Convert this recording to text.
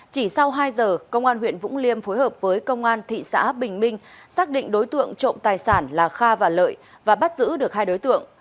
chỉ sau hai giờ công an huyện vũng liêm phối hợp với công an thị xã bình minh xác định đối tượng trộm tài sản là kha và lợi và bắt giữ được hai đối tượng